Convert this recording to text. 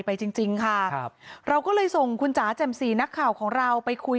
จริงจริงค่ะครับเราก็เลยส่งคุณจ๋าแจ่มสีนักข่าวของเราไปคุย